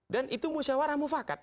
dan itu musyawarah mufakat